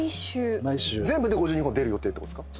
全部で５２本出る予定ですか？